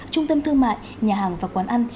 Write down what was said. trung tâm thương mại nhà hàng và quán ăn